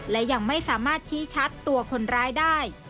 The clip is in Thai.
และยังไม่สามารถชี้ชัดตัวคนร้ายได้